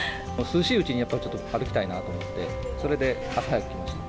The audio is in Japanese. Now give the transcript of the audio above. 涼しいうちにやっぱちょっと歩きたいなと思って、それで朝早く来ました。